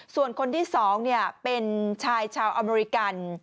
ส่วนคนที่๒เป็นชายชาวอเมริกัน